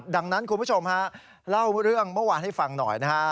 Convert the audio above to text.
ดังนั้นคุณผู้ชมฮะเล่าเรื่องเมื่อวานให้ฟังหน่อยนะฮะ